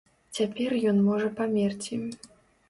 Цяпер ён можа памерці.